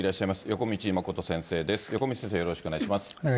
横道先生、よろしくお願いします。